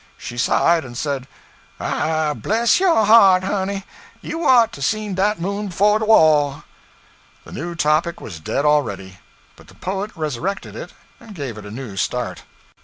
She sighed and said, "Ah, bless yo' heart, honey, you ought to seen dat moon befo' de waw!"' The new topic was dead already. But the poet resurrected it, and gave it a new start.